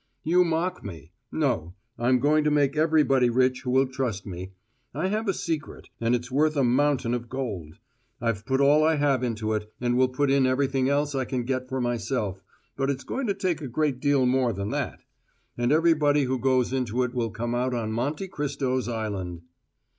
"You mock me! No; I'm going to make everybody rich who will trust me. I have a secret, and it's worth a mountain of gold. I've put all I have into it, and will put in everything else I can get for myself, but it's going to take a great deal more than that. And everybody who goes into it will come out on Monte Cristo's island."